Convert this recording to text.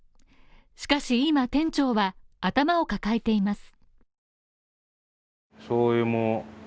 しかし今店長は頭を抱えています。